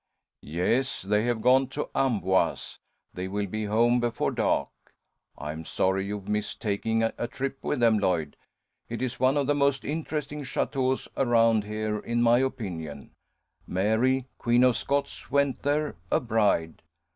"Yes, they have gone to Amboise. They will be home before dark. I am sorry you missed taking that trip with them, Lloyd. It is one of the most interesting châteaux around here in my opinion. Mary, Queen of Scots, went there a bride.